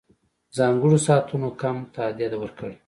ځانګړو ساعتونو کم تادیه ورکړي.